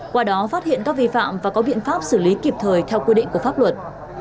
qua đó phát hiện các vi phạm và có biện pháp xử lý kịp thời theo quy định của pháp luật